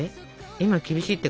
今は厳しいってか？